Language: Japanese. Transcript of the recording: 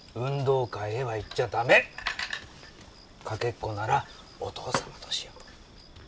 かけっこならお父様としよう。